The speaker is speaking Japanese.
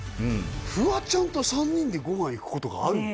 フワちゃんと３人でご飯行くことがあるの？